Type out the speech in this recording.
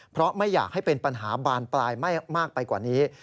เพราะไม่อยากให้เป็นปัญหาบานปลายมากไปกว่านี้